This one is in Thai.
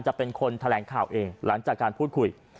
จะเป็นคนแถลงข่าวเองหลังจากการพูดคุย